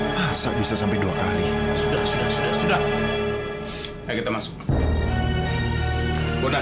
masa bisa sampai dua kali sudah sudah sudah kita masuk